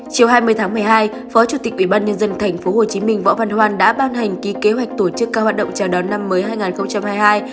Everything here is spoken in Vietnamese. chiều hai mươi tháng một mươi hai phó chủ tịch ubnd tp hcm võ văn hoan đã ban hành ký kế hoạch tổ chức các hoạt động chào đón năm mới hai nghìn hai mươi hai